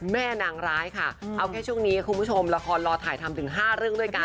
นางร้ายค่ะเอาแค่ช่วงนี้คุณผู้ชมละครรอถ่ายทำถึง๕เรื่องด้วยกัน